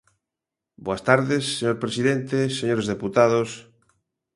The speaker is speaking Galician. Boas tardes, señor presidente, señores deputados.